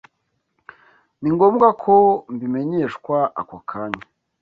Ni ngombwa ko mbimenyeshwa ako kanya.